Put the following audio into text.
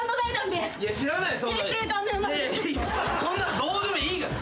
そんなのどうでもいいから。